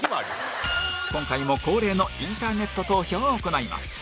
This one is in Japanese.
今回も恒例のインターネット投票を行います